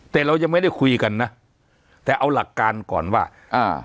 แต่เรายังไม่ได้คุยกันนะแต่เอาหลักการก่อนว่าอ่า